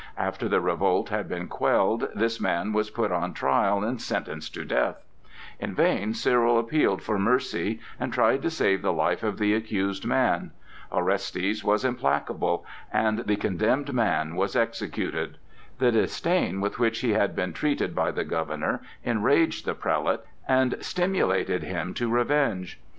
After the revolt had been quelled, this man was put on trial and sentenced to death. In vain Cyril appealed for mercy and tried to save the life of the accused man. Orestes was implacable, and the condemned man was executed. The disdain with which he had been treated by the governor, enraged the prelate and stimulated him to revenge.